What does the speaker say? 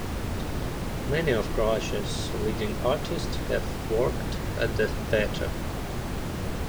Many of Croatia's leading artist have worked at the theatre.